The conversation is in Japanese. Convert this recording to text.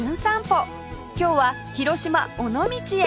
今日は広島尾道へ